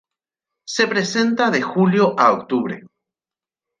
Se presenta de julio a octubre.